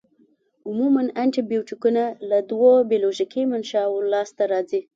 عموماً انټي بیوټیکونه له دوو بیولوژیکي منشأوو لاس ته راځي.